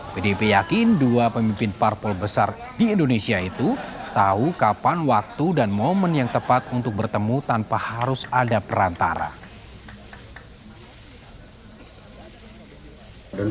pdip yakin dua pemimpin parpol besar di indonesia itu tahu kapan waktu dan momen yang tepat untuk bertemu tanpa harus ada perantara